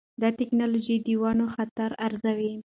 دا ټکنالوجي د ونو خطر ارزوي.